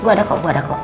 gue ada kok gue ada kok